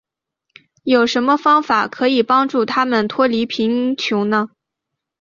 有什么方法可以帮助他们脱离贫穷呢。